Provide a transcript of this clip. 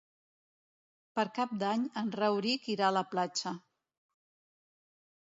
Per Cap d'Any en Rauric irà a la platja.